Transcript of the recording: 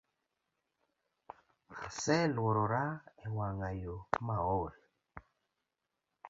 Aseluorora ewang’ayo maol